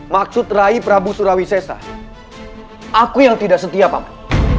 maksud rahi prabu surawi sesa aku yang tidak setia paman